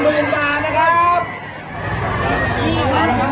ขอบคุณมากนะคะแล้วก็แถวนี้ยังมีชาติของ